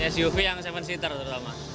suv yang tujuh seater terutama